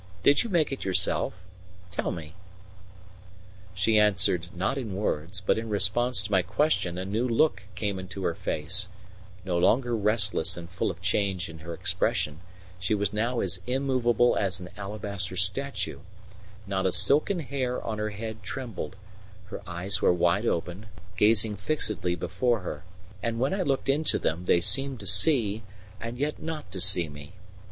Did you make it yourself? Tell me." She answered not in words, but in response to my question a new look came into her face; no longer restless and full of change in her expression, she was now as immovable as an alabaster statue; not a silken hair on her head trembled; her eyes were wide open, gazing fixedly before her; and when I looked into them they seemed to see and yet not to see me.